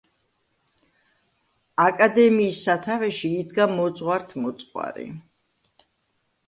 აკადემიის სათავეში იდგა მოძღვართ-მოძღვარი.